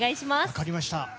分かりました。